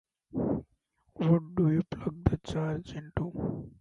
What do you plug the charger into?